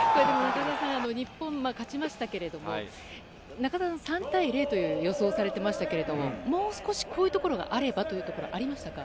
日本は勝ちましたけども中澤さん、３対０という予想をされてましたけどももう少しこういうところがあればというところはありましたか？